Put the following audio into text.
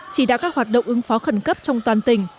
chỉ đạo các hoạt động ứng phó khẩn cấp trong toàn tỉnh